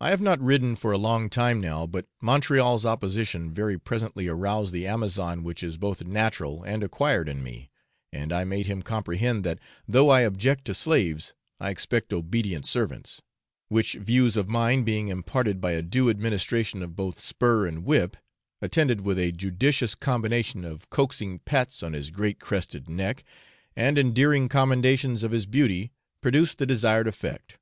I have not ridden for a long time now, but Montreal's opposition very presently aroused the Amazon which is both natural and acquired in me, and I made him comprehend that, though I object to slaves, I expect obedient servants; which views of mine being imparted by a due administration of both spur and whip, attended with a judicious combination of coaxing pats on his great crested neck, and endearing commendations of his beauty, produced the desired effect.